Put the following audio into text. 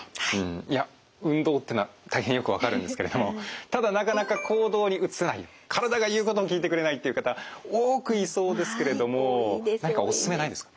いや運動ってのは大変よく分かるんですけれどもただなかなか行動に移せない体が言うことを聞いてくれないっていう方多くいそうですけれども何かおすすめないですか？